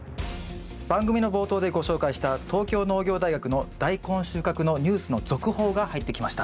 番組の冒頭でご紹介した東京農業大学のダイコン収穫のニュースの続報が入ってきました。